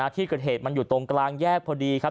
ที่เกิดเหตุมันอยู่ตรงกลางแยกพอดีครับ